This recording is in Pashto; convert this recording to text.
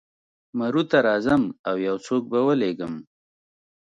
مرو ته راځم او یو څوک به ولېږم.